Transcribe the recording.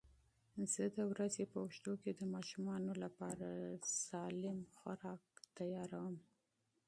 زه د ورځې په اوږدو کې د ماشومانو لپاره سالم سنکس ورکوم.